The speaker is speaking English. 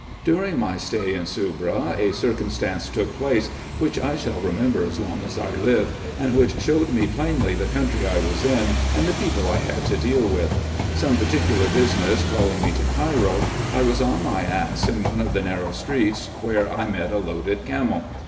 During my stay in Soubra, a circumstance took place, which I shall remember as long as I live, and which showed me plainly the country I was in, and the people I had to deal with. Some par ticular business calling me to Cairo, I was on my ass in one of the narrow streets, where I met a loaded camel.